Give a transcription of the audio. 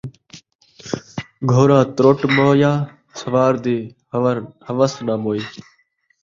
گھوڑا ترٹ مویا ، سوار دی ہوَن٘س ناں موئی